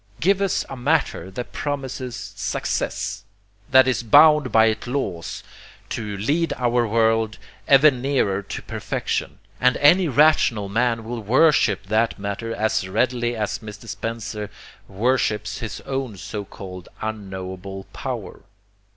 Give us a matter that promises SUCCESS, that is bound by its laws to lead our world ever nearer to perfection, and any rational man will worship that matter as readily as Mr. Spencer worships his own so called unknowable power.